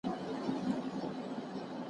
که پروژه وي نو کار نه بې پلانه کیږي.